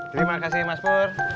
terima kasih mas pur